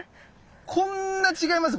こんな違いますよ